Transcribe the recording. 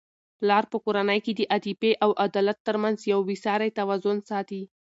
پلار په کورنی کي د عاطفې او عدالت ترمنځ یو بې سارې توازن ساتي.